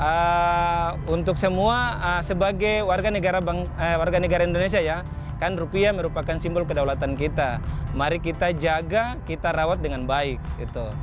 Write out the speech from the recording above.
ya untuk semua sebagai warga negara indonesia ya kan rupiah merupakan simbol kedaulatan kita mari kita jaga kita rawat dengan baik gitu